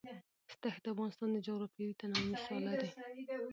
دښتې د افغانستان د جغرافیوي تنوع مثال دی.